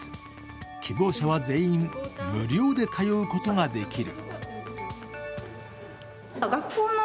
希望者は全員、無料で通うことができる。